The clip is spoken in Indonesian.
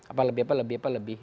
apa lebih apa lebih apa lebih